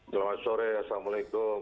selamat sore assalamualaikum